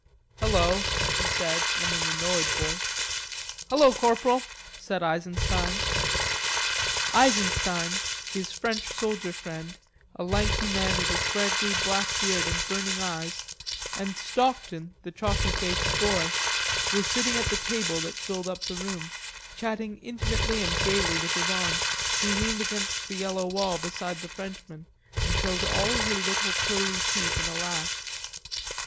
"Hello," he said in an annoyed voice. "Hello, corporal," said Eisenstein. Eisenstein, his French soldier friend, a lanky man with a scraggly black heard and burning black eyes, and Stockton, the chalky faced boy, were sitting at the table that filled up the room, chatting intimately and gaily with Yvonne, who leaned against the yellow wall beside the Frenchman and showed all her little pearly teeth in a laugh.